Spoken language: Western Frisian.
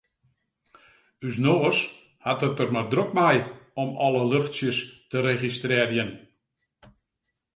Us noas hat it der mar drok mei om alle luchtsjes te registrearjen.